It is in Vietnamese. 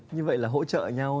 như vậy là hỗ trợ nhau